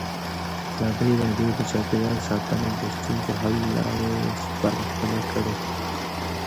ازادي راډیو د چاپیریال ساتنه د ستونزو حل لارې سپارښتنې کړي.